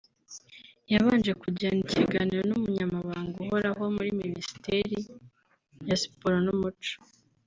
yabanje kugirana ikiganiro n’umunyamabanga uhoraho muri Ministeri ya Siporo n’umuco